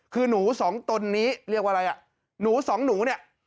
คือหนูสองตนนี้เรียกว่าอะไรอ่ะหนูสองหนูเนี่ย